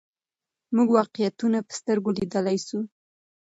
موږ واقعیتونه په سترګو لیدلای سو.